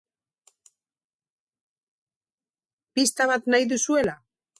Pista bat nahi duzuela?